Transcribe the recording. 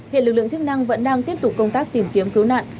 hiện lực lượng chức năng vẫn đang tiếp tục công tác tìm kiếm cứu nạn